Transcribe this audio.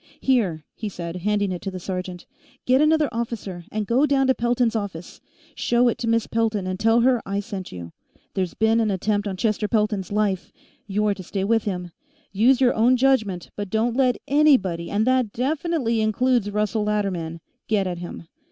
"Here," he said, handing it to the sergeant. "Get another officer, and go down to Pelton's office. Show it to Miss Pelton, and tell her I sent you. There's been an attempt on Chester Pelton's life; you're to stay with him. Use your own judgment, but don't let anybody, and that definitely includes Russell Latterman, get at him.